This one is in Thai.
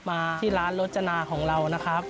มาที่ร้านรจนาของเรานะครับ